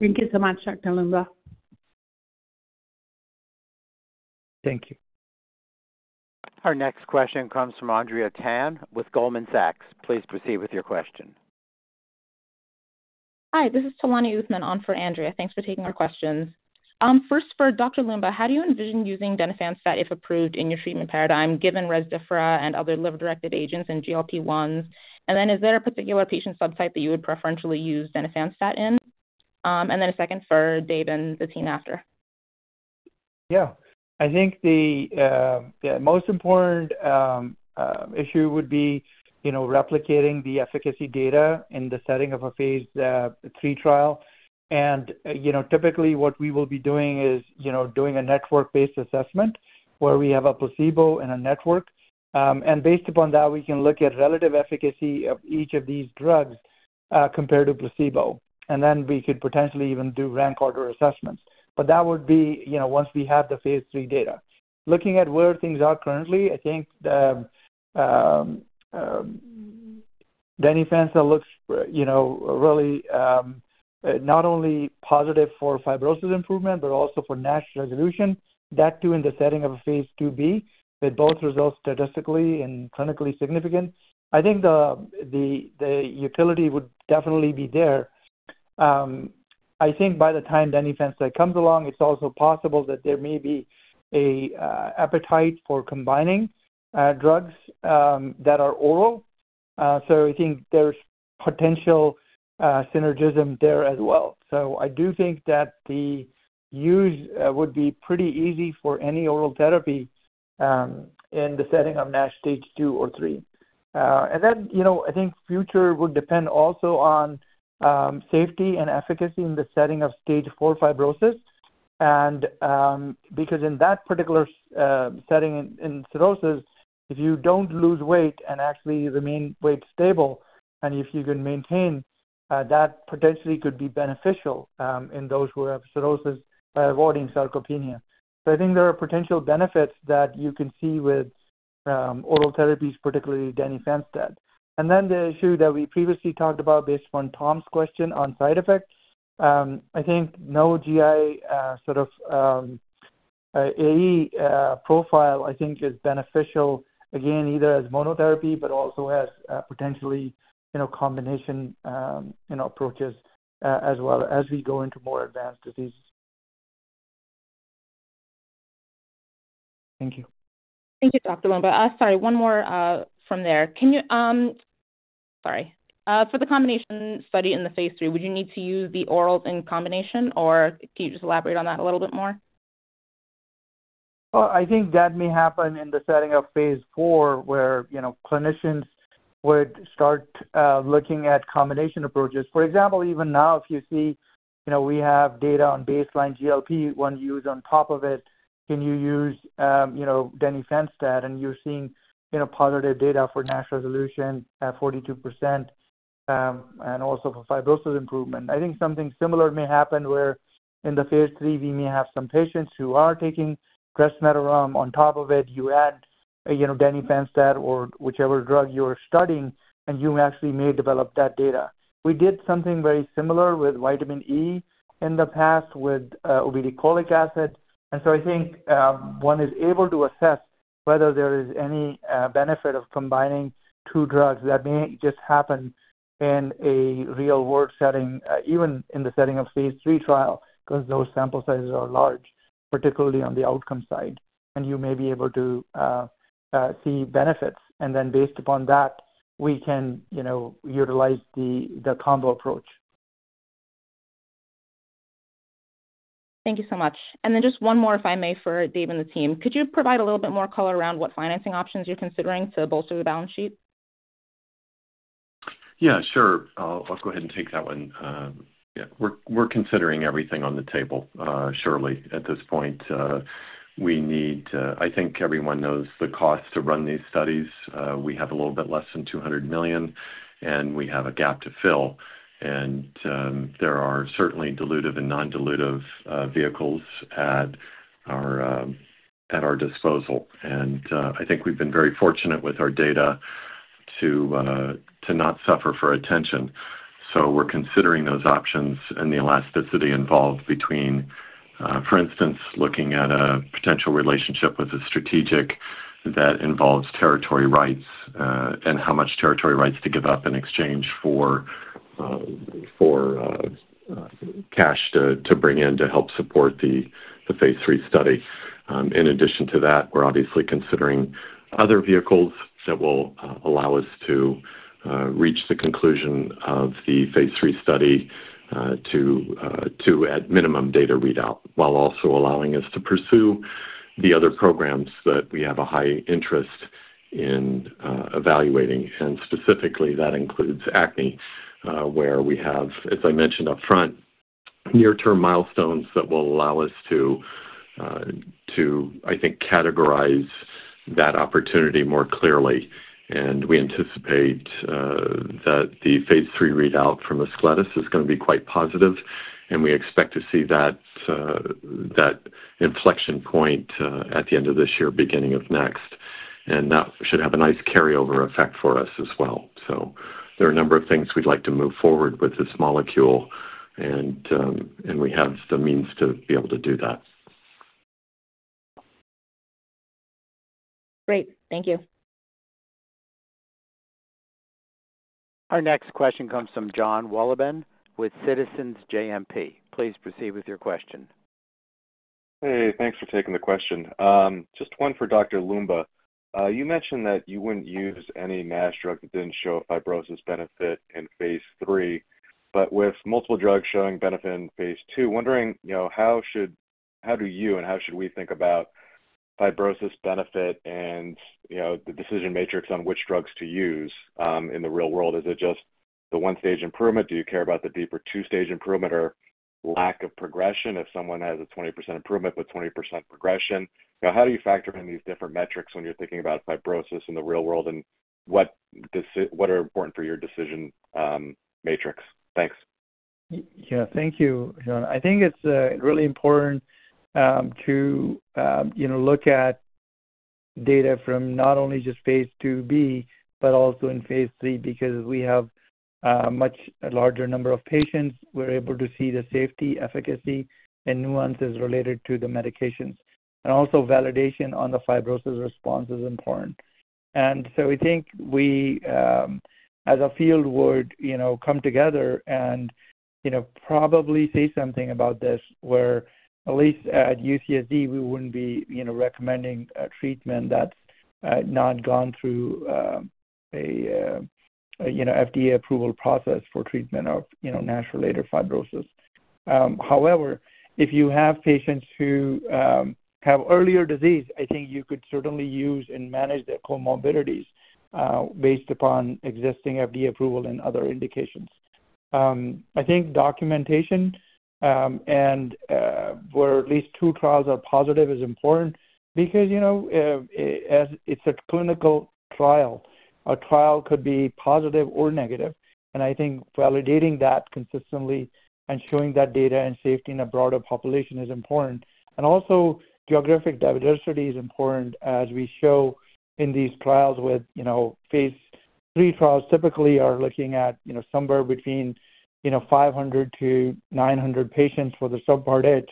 Thank you so much, Dr. Loomba. Thank you. Our next question comes from Andrea Tan with Goldman Sachs. Please proceed with your question. Hi, this is Tolani Usman on for Andrea. Thanks for taking our questions. First, for Dr. Loomba, how do you envision using denifanstat, if approved, in your treatment paradigm, given Rezdiffra and other liver-directed agents and GLP-1s? And then is there a particular patient subtype that you would preferentially use denifanstat in? And then a second for David and the team after. Yeah, I think the most important issue would be, you know, replicating the efficacy data in the setting of a phase 3 trial. And, you know, typically what we will be doing is, you know, doing a network-based assessment where we have a placebo and a network. And based upon that, we can look at relative efficacy of each of these drugs compared to placebo, and then we could potentially even do rank order assessments. But that would be, you know, once we have the phase 3 data. Looking at where things are currently, I think the denifanstat looks, you know, really not only positive for fibrosis improvement, but also for NASH resolution, that too, in the setting of a phase 2b, with both results statistically and clinically significant. I think the utility would definitely be there. I think by the time denifanstat comes along, it's also possible that there may be a appetite for combining drugs that are oral. So I think there's potential synergism there as well. So I do think that the use would be pretty easy for any oral therapy in the setting of NASH stage 2 or 3. And then, you know, I think future would depend also on safety and efficacy in the setting of stage 4 fibrosis. And because in that particular setting in cirrhosis, if you don't lose weight and actually remain weight stable, and if you can maintain that potentially could be beneficial in those who have cirrhosis by avoiding sarcopenia. So I think there are potential benefits that you can see with oral therapies, particularly denifanstat. And then the issue that we previously talked about, based on Tom's question on side effects, I think no GI sort of AE profile, I think is beneficial, again, either as monotherapy, but also as potentially, you know, combination you know approaches, as well as we go into more advanced diseases. Thank you. Thank you, Dr. Loomba. Sorry, one more from there. Can you... Sorry. For the combination study in the phase 3, would you need to use the orals in combination, or can you just elaborate on that a little bit more? Well, I think that may happen in the setting of phase 4, where, you know, clinicians would start looking at combination approaches. For example, even now, if you see, you know, we have data on baseline GLP-1 use on top of it, can you use, you know, denifanstat, and you're seeing, you know, positive data for MASH resolution at 42%, and also for fibrosis improvement. I think something similar may happen, where in the phase 3, we may have some patients who are taking resmetirom. On top of it, you add, you know, denifanstat or whichever drug you are studying, and you actually may develop that data. We did something very similar with vitamin E in the past, with obeticholic acid. So I think one is able to assess whether there is any benefit of combining two drugs that may just happen in a real-world setting, even in the setting of phase 3 trial, because those sample sizes are large, particularly on the outcome side, and you may be able to see benefits. Then based upon that, we can, you know, utilize the combo approach. Thank you so much. Then just one more, if I may, for Dave and the team. Could you provide a little bit more color around what financing options you're considering to bolster the balance sheet? Yeah, sure. I'll go ahead and take that one. Yeah, we're considering everything on the table, surely at this point. We need to—I think everyone knows the cost to run these studies. We have a little bit less than $200 million, and we have a gap to fill, and there are certainly dilutive and non-dilutive vehicles at our disposal. And I think we've been very fortunate with our data to not suffer for attention. So we're considering those options and the elasticity involved between, for instance, looking at a potential relationship with a strategic that involves territory rights, and how much territory rights to give up in exchange for cash to bring in to help support the phase three study. In addition to that, we're obviously considering other vehicles that will allow us to reach the conclusion of the phase 3 study to, at minimum, data readout, while also allowing us to pursue the other programs that we have a high interest in evaluating. And specifically, that includes acne, where we have, as I mentioned upfront, near-term milestones that will allow us to, I think, categorize that opportunity more clearly. And we anticipate that the phase 3 readout from the Ascletis is going to be quite positive, and we expect to see that inflection point at the end of this year, beginning of next, and that should have a nice carryover effect for us as well. There are a number of things we'd like to move forward with this molecule, and we have the means to be able to do that. Great. Thank you. Our next question comes from Jon Wolleben with Citizens JMP. Please proceed with your question. Hey, thanks for taking the question. Just one for Dr. Loomba. You mentioned that you wouldn't use any NASH drug that didn't show a fibrosis benefit in phase 3, but with multiple drugs showing benefit in phase 2, wondering, you know, how do you, and how should we think about fibrosis benefit and, you know, the decision matrix on which drugs to use, in the real world? Is it just the one-stage improvement? Do you care about the deeper two-stage improvement or lack of progression if someone has a 20% improvement but 20% progression? You know, how do you factor in these different metrics when you're thinking about fibrosis in the real world? And what are important for your decision matrix? Thanks. Yeah, thank you, John. I think it's really important, you know, to look at data from not only just phase 2b, but also in phase 3, because we have much larger number of patients. We're able to see the safety, efficacy, and nuances related to the medications. And also validation on the fibrosis response is important. And so we think we, as a field would, you know, come together and, you know, probably say something about this, where, at least at UCSD, we wouldn't be, you know, recommending a treatment that's not gone through, a, you know, FDA approval process for treatment of, you know, NASH-related fibrosis. However, if you have patients who have earlier disease, I think you could certainly use and manage their comorbidities, based upon existing FDA approval and other indications. I think documentation, and, where at least two trials are positive is important because, you know, it, as it's a clinical trial, a trial could be positive or negative, and I think validating that consistently and showing that data and safety in a broader population is important. And also, geographic diversity is important as we show in these trials with, you know, Phase 3 trials typically are looking at, you know, somewhere between, you know, 500-900 patients for the subpart H.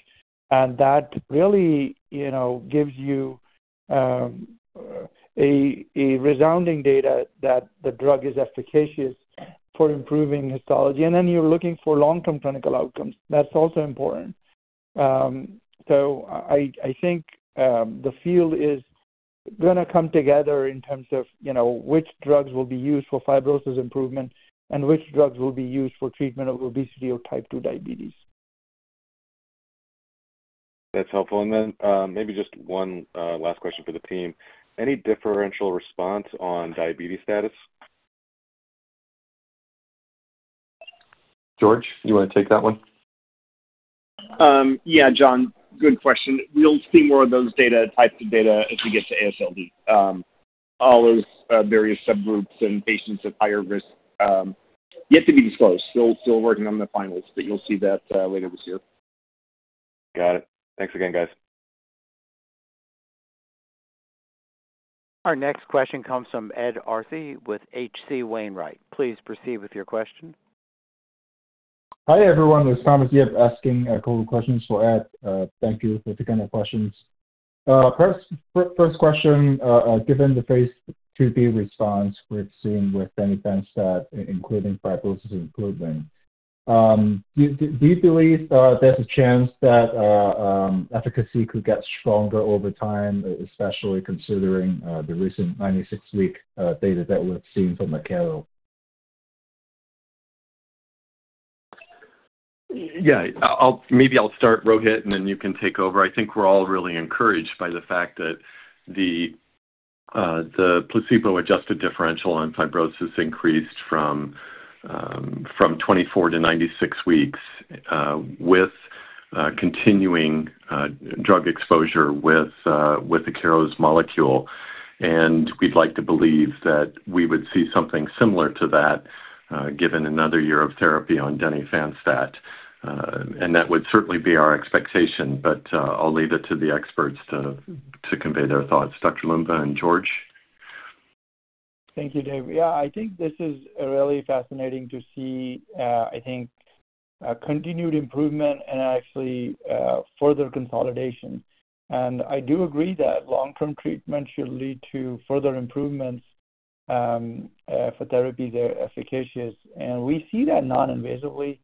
And that really, you know, gives you, a resounding data that the drug is efficacious for improving histology. And then you're looking for long-term clinical outcomes. That's also important. So I think the field is gonna come together in terms of, you know, which drugs will be used for fibrosis improvement and which drugs will be used for treatment of obesity or type 2 diabetes. That's helpful. And then, maybe just one last question for the team: Any differential response on diabetes status? George, you want to take that one? Yeah, John, good question. We'll see more of those data, types of data as we get to AASLD. All those, various subgroups and patients at higher risk, yet to be disclosed, still working on the finals, but you'll see that, later this year. Got it. Thanks again, guys. Our next question comes from Ed Arce with H.C. Wainwright. Please proceed with your question. Hi, everyone. It's Thomas Yip asking a couple questions for Ed. Thank you for taking my questions. First question, given the Phase 2b response we've seen with denifanstat, including fibrosis improvement, do you believe there's a chance that efficacy could get stronger over time, especially considering the recent 96-week data that we've seen from Akero? Yeah, I'll maybe I'll start, Rohit, and then you can take over. I think we're all really encouraged by the fact that the placebo-adjusted differential on fibrosis increased from 24 to 96 weeks with Akero's molecule. And we'd like to believe that we would see something similar to that given another year of therapy on denifanstat. And that would certainly be our expectation, but I'll leave it to the experts to convey their thoughts. Dr. Loomba and George? Thank you, Dave. Yeah, I think this is really fascinating to see, I think a continued improvement and actually, further consolidation. And I do agree that long-term treatment should lead to further improvements, for therapies that are efficacious. And we see that non-invasively,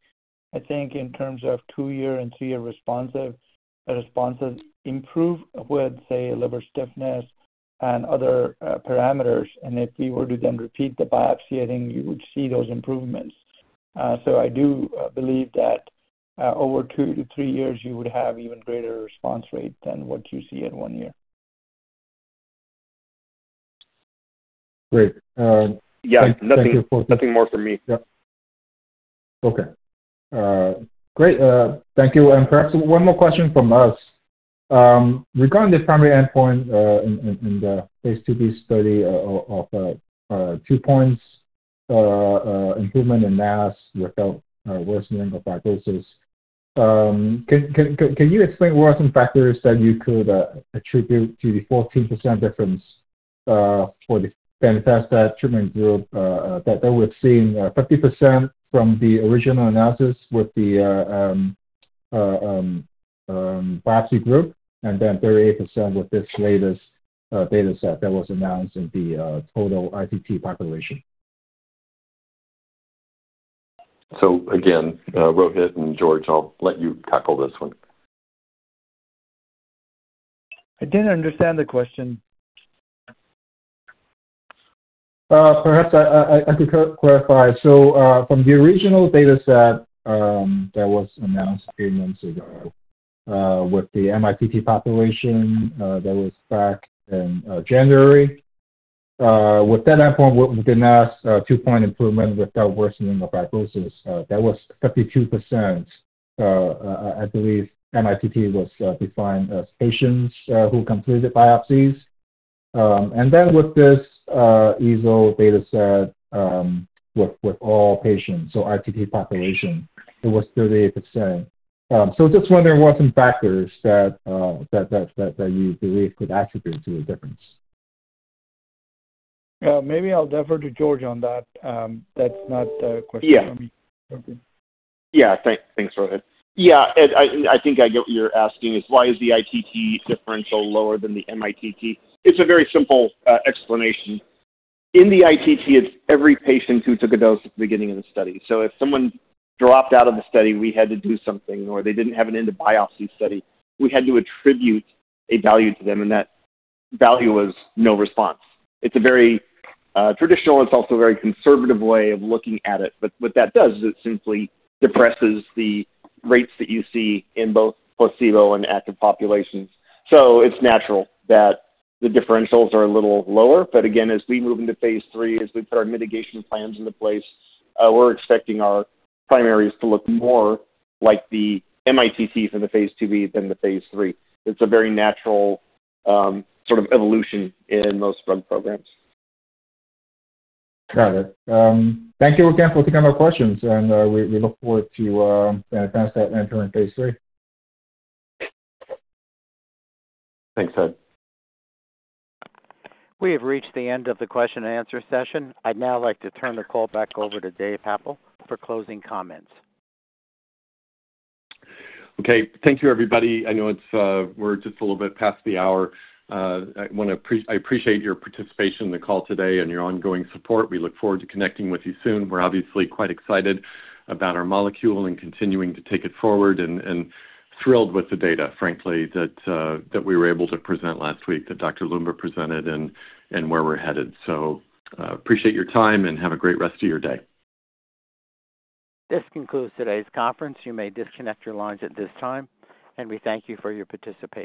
I think, in terms of 2-year and 3-year responsive, responses, improve with, say, liver stiffness and other, parameters. And if we were to then repeat the biopsy, I think you would see those improvements. So I do believe that, over 2 to 3 years, you would have even greater response rate than what you see in 1 year. Great. Thank you for- Yeah, nothing, nothing more from me. Yep. Okay. Great. Thank you. And perhaps one more question from us. Regarding the primary endpoint in the Phase 2b study of 2-point improvement in NASH without worsening of fibrosis. Can you explain what are some factors that you could attribute to the 14% difference for the denifanstat treatment group that we're seeing, 50% from the original analysis with the biopsy group, and then 38% with this latest data set that was announced in the total ITT population? Again, Rohit and George, I'll let you tackle this one. I didn't understand the question. Perhaps I could clarify. So, from the original data set that was announced a few months ago, with the MITT population, that was back in January. With that endpoint, we did not 2-point improvement without worsening of fibrosis. That was 52%. I believe MITT was defined as patients who completed biopsies. And then with this EASL data set, with all patients, so ITT population, it was 38%. So just wondering what some factors that you believe could attribute to the difference? Maybe I'll defer to George on that. That's not a question for me. Yeah. Yeah, thanks, Rohit. Yeah, Ed, I think I get what you're asking is: Why is the ITT differential lower than the MITT? It's a very simple explanation. In the ITT, it's every patient who took a dose at the beginning of the study. So if someone dropped out of the study, we had to do something, or they didn't have an end of biopsy study, we had to attribute a value to them, and that value was no response. It's a very traditional, and it's also a very conservative way of looking at it. But what that does is it simply depresses the rates that you see in both placebo and active populations. So it's natural that the differentials are a little lower. But again, as we move into phase 3, as we put our mitigation plans into place, we're expecting our primaries to look more like the MITT for the phase 2b than the phase 3. It's a very natural, sort of evolution in most drug programs. Got it. Thank you again for taking our questions, and we look forward to advancing into phase 3. Thanks, Ed. We have reached the end of the question and answer session. I'd now like to turn the call back over to Dave Happel for closing comments. Okay. Thank you, everybody. I know it's, we're just a little bit past the hour. I appreciate your participation in the call today and your ongoing support. We look forward to connecting with you soon. We're obviously quite excited about our molecule and continuing to take it forward and thrilled with the data, frankly, that we were able to present last week, that Dr. Loomba presented and where we're headed. So, appreciate your time and have a great rest of your day. This concludes today's conference. You may disconnect your lines at this time, and we thank you for your participation.